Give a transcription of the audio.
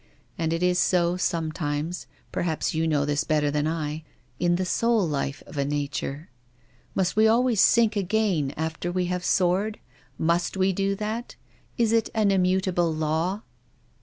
And it is so sometimes — perhaps you know this better than I — in the soul life of a na ture. Must we always sink again after we have soared? Must we do that? Is it an immutable law?"